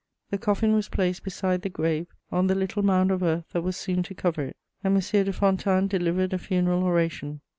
The coffin was placed beside the grave on the little mound of earth that was soon to cover it, and M. de Fontanes delivered a funeral oration.